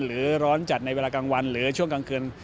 หรือร้อนจัดในเวลากลางวันหรือช่วงกลางคืน